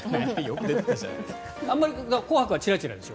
あんまり「紅白」はちらちらでしょ？